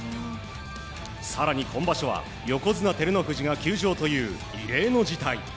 更に、本場所は横綱・照ノ富士が休場という異例の事態。